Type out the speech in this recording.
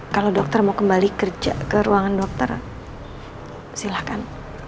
kalau dokter mau kembali kerja ke ruangan dokter silakan